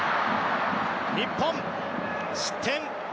日本、失点。